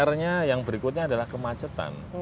pr nya yang berikutnya adalah kemacetan